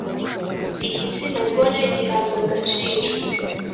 igitsina gore gihabwa agaciro.